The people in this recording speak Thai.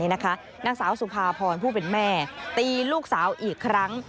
นางสาวสุภาพรผู้เป็นแม่ตีลูกสาวอีกครั้ง